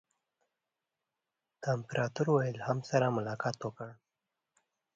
د امپراطور ویلهلم سره یې ملاقات وکړ.